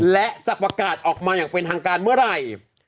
และจะประกาศออกมาอย่างเป็นทางการเมื่อไหร่